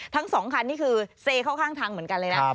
ทั้งสองคันนี่คือเซเข้าข้างทางเหมือนกันเลยนะ